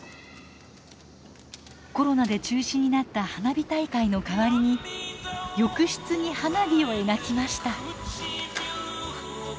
コロナで中止になった花火大会の代わりに浴室に花火を描きました。